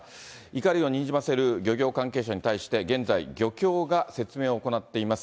怒りをにじませる漁協関係者に対して、現在、漁協が説明を行っています。